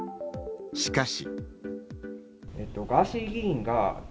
しかし。